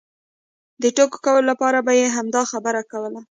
د ټوکې کولو لپاره به یې همدا خبره کوله.